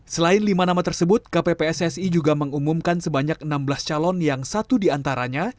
selain lima nama tersebut kppssi juga mengumumkan sebanyak enam belas calon yang satu diantaranya